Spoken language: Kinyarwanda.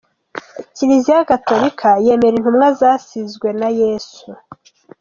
Kiliziya Gatolika yemera intumwa zasizwe na Yezu.